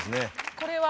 これは？